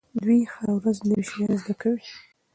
دوی هره ورځ نوي شیان زده کوي.